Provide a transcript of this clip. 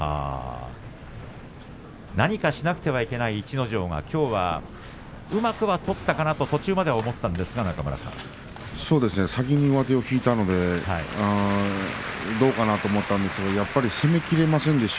何かしなきゃいけない逸ノ城、きょうはうまく取ったかなと途中まで先に上手を引いたのでどうかなと思ったんですがやはり攻めきれませんでした。